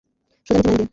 সোজা নিচের লাইন দিয়ে।